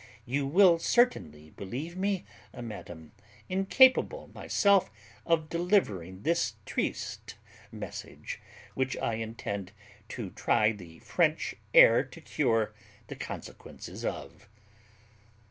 _ You will certainly believe me, madam, incapable myself of delivering this triste message, which I intend to try the French air to cure the consequences of.